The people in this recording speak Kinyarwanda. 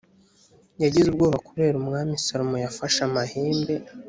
yagize ubwoba kubera umwami salomo yafashe amahembe